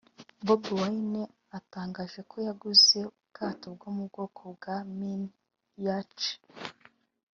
Bobi Wine atangaje ko yaguze ubwato bwo mu bwoko bwa Mini Yacht